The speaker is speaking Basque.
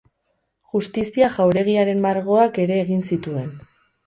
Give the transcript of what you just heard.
Justizia Jauregiaren margoak ere egin zituen.